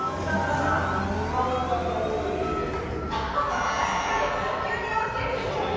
拾ったどんぐり入れる。